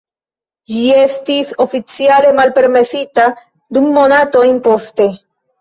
Ĝi estis oficiale malpermesita du monatojn poste.